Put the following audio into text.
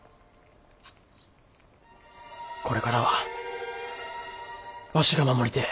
これからはわしが守りてえ。